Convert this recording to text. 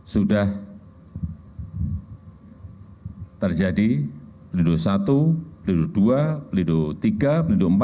sudah terjadi pelindo satu pelindo dua pelindo tiga pelindo empat